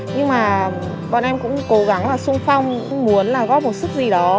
nhưng mà bọn em cũng cố gắng là sung phong cũng muốn là góp một sức gì đó